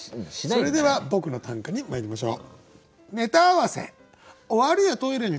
それでは僕の短歌にまいりましょう。